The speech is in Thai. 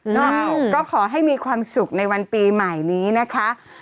ก็ขอให้มีความสุขในวันปีใหม่นี้นะคะ